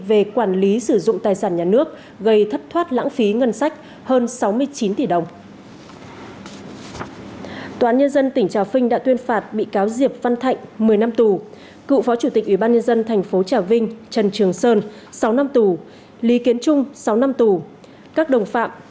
về quản lý sử dụng tài sản nhà nước gây thất thoát lãng phí ngân sách hơn sáu mươi chín tỷ đồng